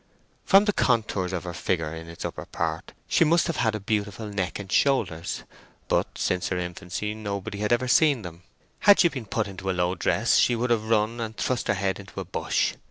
From the contours of her figure in its upper part, she must have had a beautiful neck and shoulders; but since her infancy nobody had ever seen them. Had she been put into a low dress she would have run and thrust her head into a bush.